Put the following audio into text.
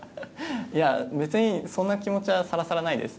別にそんな気持ちはさらさらないです。